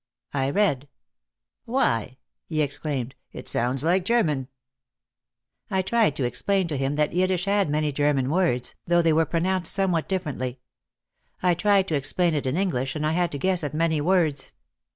I read. "Why !" he exclaimed, "It sounds like German." I tried to explain to him that Yiddish had many Ger man words, though they were pronounced somewhat differently. I tried to explain it in English and I had to guess at many words.